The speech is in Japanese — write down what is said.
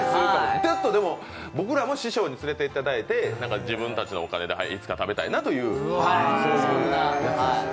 僕らも師匠に連れていってもらって自分たちのお金で、いつか食べたいなという。